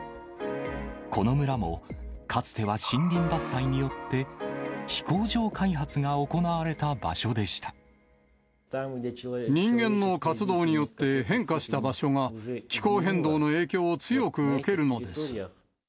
この村も、かつては森林伐採によって、人間の活動によって変化した場所が、気候変動の影響を強く受けるのです。